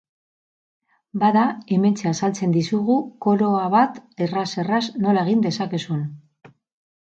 Bada, hementxe azaltzen dizugu koroa bat erraz-erraz nola egin dezakezun.